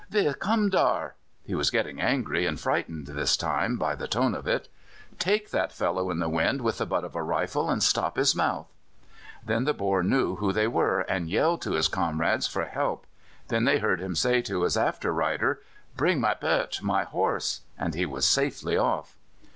"Wis kom dar?" He was getting angry and frightened this time, by the tone of it. "Take that fellow in the wind with the butt of a rifle, and stop his mouth." Then the Boer knew who they were, and yelled to his comrades for help; then they heard him say to his after rider: "Bring my peart my horse!" and he was safely off!